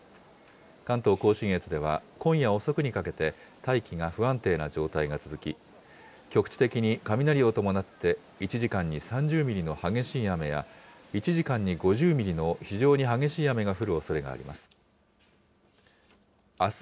関東甲信越では、今夜遅くにかけて、大気が不安定な状態が続き、局地的に雷を伴って、１時間に３０ミリの激しい雨や、１時間に５０ミリの非常に激しい雨が降るおそれがあります。